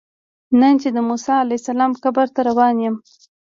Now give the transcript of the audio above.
نن چې د موسی علیه السلام قبر ته روان یم.